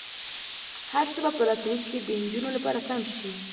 هر څه به په راتلونکي کې د نجونو لپاره سم شي.